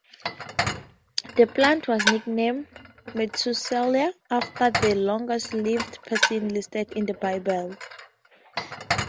The plant was nicknamed "Methuselah" after the longest-lived person listed in the Bible.